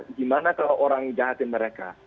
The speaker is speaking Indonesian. bagaimana kalau orang jahatkan mereka